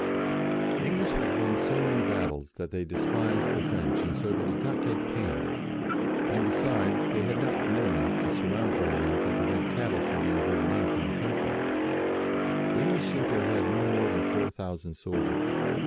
The English had won so many battles that they despised the French, and so they did not take pains, and, besides, they had not men enough to surround Orleans and prevent cattle being driven in from the HOW JOAN OBEYED THE VOICES 19 country. The English seem to have had no more than four thousand soldiers.